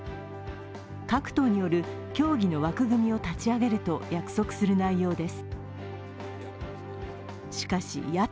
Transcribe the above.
各党によるきぎの枠組みを立ち上げると約束する内容です。